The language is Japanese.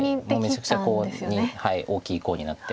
もうめちゃくちゃコウに大きいコウになって。